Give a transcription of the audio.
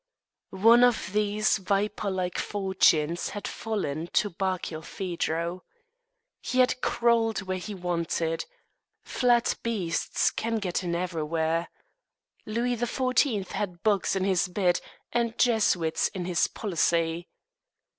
One of these viper like fortunes had fallen to Barkilphedro. He had crawled where he wanted. Flat beasts can get in everywhere. Louis XIV. had bugs in his bed and Jesuits in his policy.